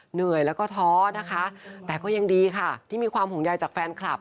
เหนื่อยแล้วก็ท้อนะคะแต่ก็ยังดีค่ะที่มีความห่วงใยจากแฟนคลับ